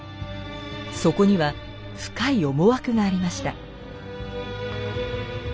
そこには深い思惑がありました。